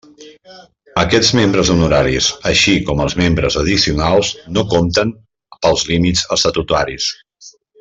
Aquests Membres Honoraris, així com els Membres Addicionals no compten pels límits estatutaris.